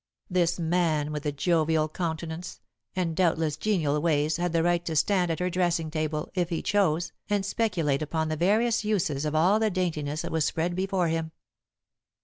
This man, with the jovial countenance, and doubtless genial ways, had the right to stand at her dressing table, if he chose, and speculate upon the various uses of all the daintiness that was spread before him.